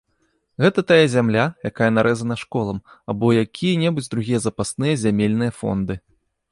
Гэта тая зямля, якая нарэзана школам, або якія-небудзь другія запасныя зямельныя фонды.